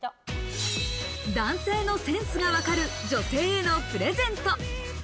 男性のセンスがわかる女性へのプレゼント。